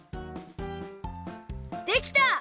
できた！